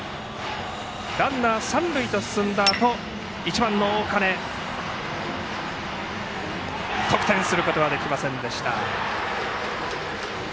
ランナー、三塁と進んだあと１番の大金でしたが得点することはできませんでした。